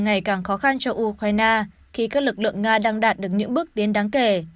tình hình này càng khó khăn cho ukraine khi các lực lượng nga đang đạt được những bước tiến đáng kể